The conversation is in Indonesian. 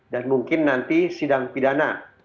dan mungkin nanti sidang pidana